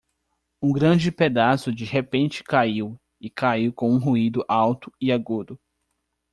Um grande pedaço de repente caiu e caiu com um ruído alto e agudo.